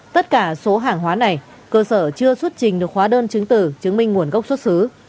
tất cả số hàng hóa này cơ sở chưa xuất trình được hóa đơn chứng từ chứng minh nguồn gốc xuất xứ